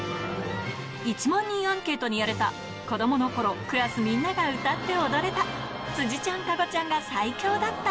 １万人アンケートによると、子どものころ、クラスみんなが歌って踊れた、辻ちゃん、加護ちゃんが最強だった。